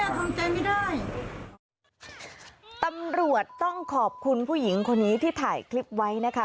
ทำใจไม่ได้ตำรวจต้องขอบคุณผู้หญิงคนนี้ที่ถ่ายคลิปไว้นะคะ